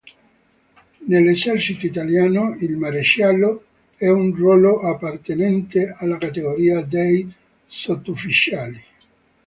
Nell'Esercito Italiano il maresciallo è un ruolo appartenente alla categoria dei sottufficiali.